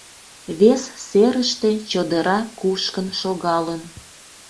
Вес серыште чодыра кушкын шогалын.